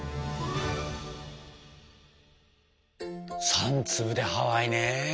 ３粒でハワイね。